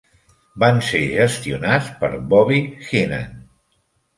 Van ser gestionats per Bobby Heenan.